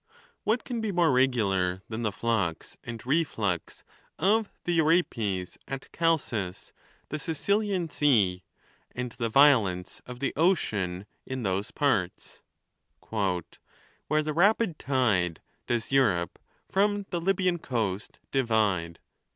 X. What can be more regular than the flux and vefiux of the Euripus at Ghalcis, the Sicilian sea, and the violence of the ocean iu those parts' where the rapid tide Does Europe from the Libyan coast divide